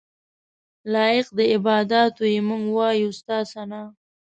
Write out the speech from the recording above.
لایق د عباداتو یې موږ وایو ستا ثناء.